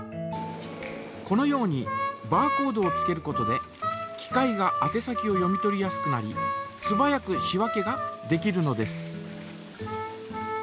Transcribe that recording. このようにバーコードをつけることで機械があて先を読み取りやすくなりすばやく仕分けができるのです。